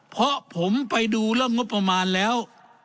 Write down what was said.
เพราะผมไปดูเรื่องงบประมาณแล้ว